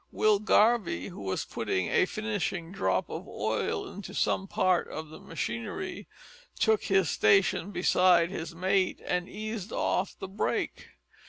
Will Garvie, who was putting a finishing drop of oil into some part of the machinery, took his station beside his mate and eased off the brake.